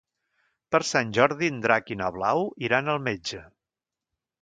Per Sant Jordi en Drac i na Blau iran al metge.